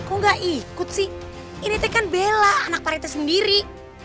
enggak ikut sih ini tekan bela anak paritist sendiri